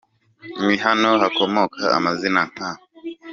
ni naho hakomoka amazina nka